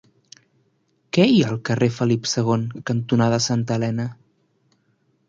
Què hi ha al carrer Felip II cantonada Santa Elena?